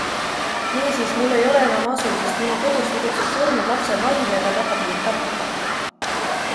Niisiis, mul ei ole enam asu, sest minu kodus tegutseb surnud lapse vaim ja ta tahab mind tappa.